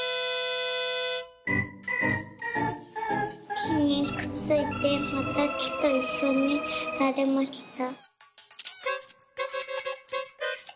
「きにくっついてまたきといっしょになれました」。